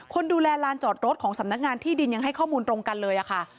คนดูแลลานจอดรถของสำนักงานที่ดินยังให้ข้อมูลตรงกันเลยค่ะ